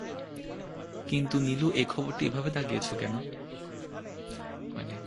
কিন্তু নীলু এই খবরটি এভাবে দাগিয়েছে কেন?